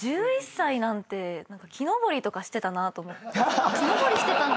１１歳なんて木登りとかしてたなと思って。